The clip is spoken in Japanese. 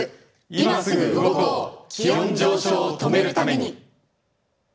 いますぐ動こう、気温上昇を止めるために。」。